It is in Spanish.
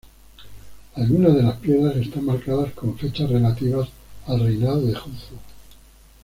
Algunas de las piedras están marcadas con fechas relativas al reinado de Jufu.